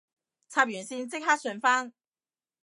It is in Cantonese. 插完線即刻順返